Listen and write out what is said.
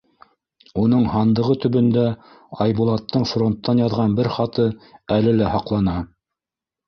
Уның һандығы төбөндә Айбулаттың фронттан яҙған бер хаты әле лә һаҡлана.